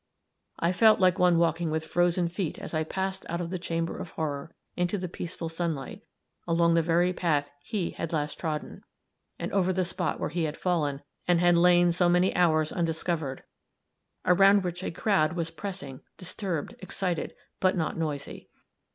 I felt like one walking with frozen feet as I passed out of the chamber of horror into the peaceful sunlight, along the very path he had last trodden, and over the spot where he had fallen and had lain so many hours undiscovered, around which a crowd was pressing, disturbed, excited, but not noisy.